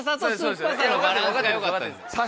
バランスがよかったです。